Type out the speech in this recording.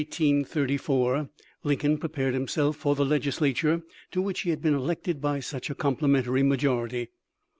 In December, 1834, Lincoln prepared himself for the Legislature to which he had been elected by such a complimentary majority.